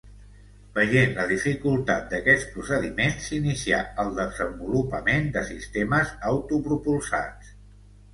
Veient la dificultat d'aquests procediments s'inicià el desenvolupament de sistemes autopropulsats.